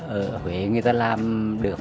ở huế người ta làm được